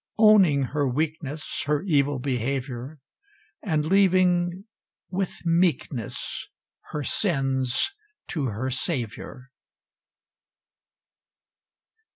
Owning her weakness, Her evil behavior, And leaving, with meekness, Her sins to her Saviour!